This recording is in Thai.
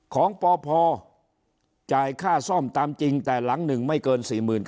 ของปพจ่ายค่าซ่อมตามจริงแต่หลังหนึ่งไม่เกิน๔๐๐